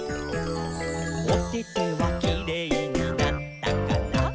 「おててはキレイになったかな？」